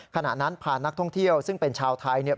ขณะนั้นพานักท่องเที่ยวซึ่งเป็นชาวไทยเนี่ย